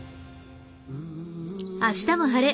「あしたも晴れ！